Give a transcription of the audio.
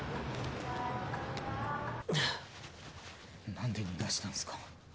なんで逃がしたんですか？